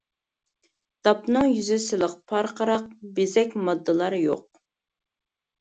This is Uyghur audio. داپنىڭ يۈزى سىلىق، پارقىراق، بېزەك ماددىلار يوق.